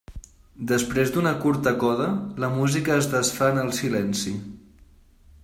Després d'una curta coda, la música es desfà en el silenci.